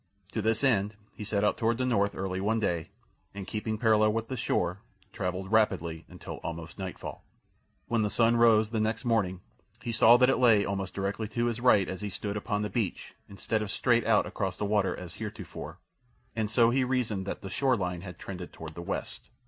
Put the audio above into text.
To this end he set out toward the north early one day, and, keeping parallel with the shore, travelled rapidly until almost nightfall. When the sun rose the next morning he saw that it lay almost directly to his right as he stood upon the beach instead of straight out across the water as heretofore, and so he reasoned that the shore line had trended toward the west.